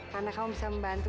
karena kamu bisa membantu